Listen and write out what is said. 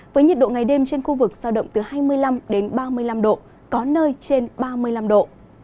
với nhiệt độ ngày đêm trên khu vực sao động từ hai mươi năm đến ba mươi năm độ có nơi trên ba mươi năm độ